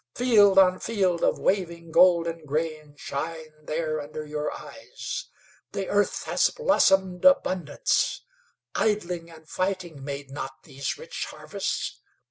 Field on field of waving, golden grain shine there under your eyes. The earth has blossomed abundance. Idling and fighting made not these rich harvests.